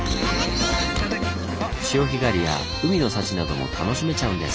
潮干狩りや海の幸なども楽しめちゃうんです。